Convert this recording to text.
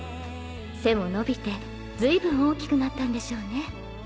背も伸びて随分大きくなったんでしょうね。